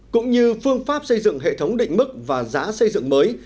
cũng như phương pháp xây dựng hệ thống định mức và giá xây dựng mới